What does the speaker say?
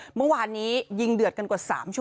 กลุ่มน้ำเบิร์ดเข้ามาร้านแล้ว